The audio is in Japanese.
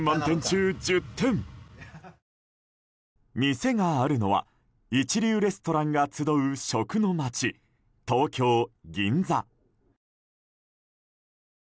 店があるのは一流レストランが集う食の街、東京・銀座。